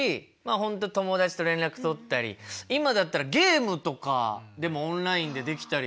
本当に友達と連絡取ったり今だったらゲームとかでもオンラインでできたりしますけど。